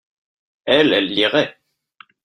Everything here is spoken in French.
elle, elle lirait.